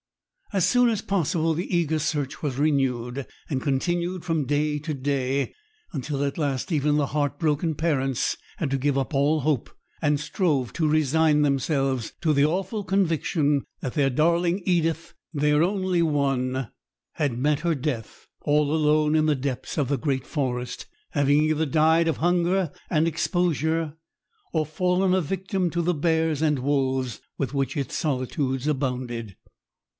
As soon as possible the eager search was renewed, and continued from day to day, until at last even the heart broken parents had to give up all hope, and strove to resign themselves to the awful conviction that their darling Edith—their only one—had met her death all alone in the depths of the great forest, having either died of hunger and exposure or fallen a victim to the bears and wolves with which its solitudes abounded.